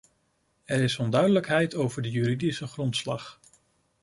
Er is onduidelijkheid over de juridische grondslag.